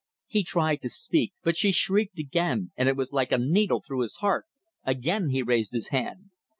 He tried to speak, but she shrieked again, and it was like a needle through his heart. Again he raised his hand.